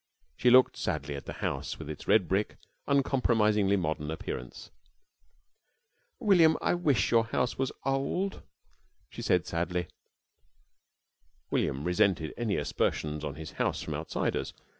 She looked sadly at the house, with its red brick, uncompromisingly modern appearance. "William, I wish your house was old," she said, sadly. William resented any aspersions on his house from outsiders.